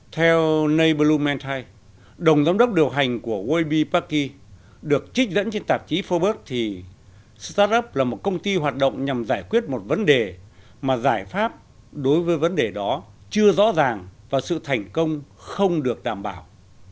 theo na blumantine đồng giám đốc điều hành của webi paki được trích dẫn trên tạp chí forbes thì start up là một công ty hoạt động nhằm giải quyết một vấn đề mà giải pháp đối với vấn đề đó chưa rõ ràng và sự thành công không được đảm bảo